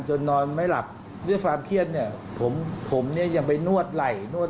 นอนไม่หลับด้วยความเครียดเนี่ยผมผมเนี่ยยังไปนวดไหล่นวด